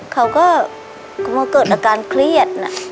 เขาก็เกิดอาการเครียดน่ะ